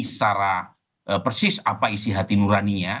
secara persis apa isi hati nurani nya